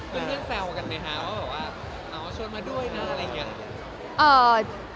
เป็นเรื่องเซลกันไหมคะเขาบอกว่าน้องชวนมาด้วยนะอะไรอย่างนี้